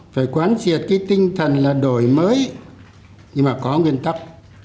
phải quán triệt cái tinh thần là đổi mới nhưng mà có nguyên tắc